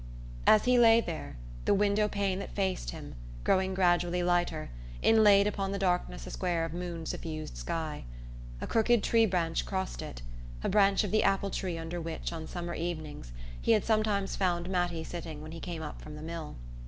As he lay there, the window pane that faced him, growing gradually lighter, inlaid upon the darkness a square of moon suffused sky. A crooked tree branch crossed it, a branch of the apple tree under which, on summer evenings, he had sometimes found Mattie sitting when he came up from the mill.